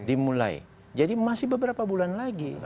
dimulai jadi masih beberapa bulan lagi